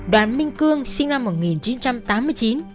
đoàn minh cương sinh năm một nghìn chín trăm tám mươi chín